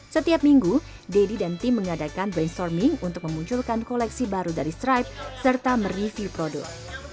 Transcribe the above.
setiap minggu deddy dan tim mengadakan brainstorming untuk memunculkan koleksi baru dari stripe serta mereview produk